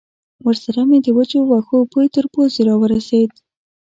ورسره مې د وچو وښو بوی تر پوزې را ورسېد.